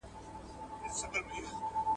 د دغې غونډې ګډونوال ټوله له لیري راغلي دي.